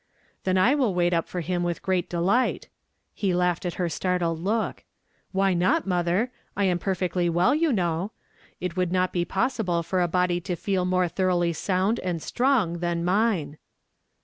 '' Tlien I Avill wait up for him with great de light." He laughed at her startled look. " Why not, mother? J am perfectly well, you know. It would not be possible for a body to feel more thoroughly sound and strong than mine."